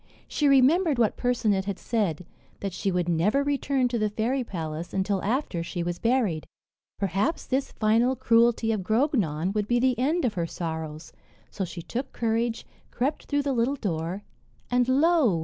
She remembered what Percinet had said: that she would never return to the fairy palace, until after she was buried. Perhaps this final cruelty of Grognon would be the end of her sorrows. So she took courage, crept through the little door, and lo!